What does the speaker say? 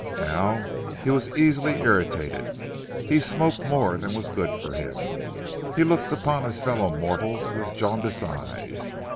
Now he was easily irritated, he smoked more than was good for him, he looked upon his fellow mortals with jaundiced eyes.